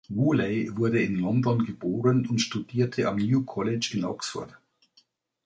Woolley wurde in London geboren und studierte am New College in Oxford.